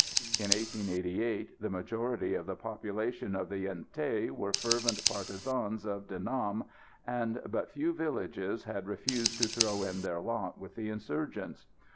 In 1888 the majority of the population of the Yen Thé were fervent partisans of De Nam, and but few villages had refused to throw in their lot with the insurgents.